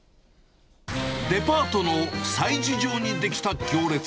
デパートの催事場に出来た行列。